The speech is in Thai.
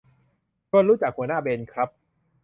ชวนรู้จักหัวหน้าเบนครับ